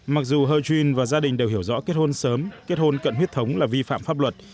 mặc dù hơ truyền và gia đình đều hiểu rõ kết hôn sớm kết hôn cận huyết thống là vi phạm pháp luật